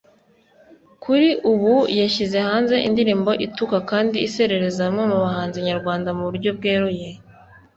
kuri ubu yashyize hanze indirimbo ituka kandi isesereza bamwe mu bahanzi nyarwanda mu buryo bweruye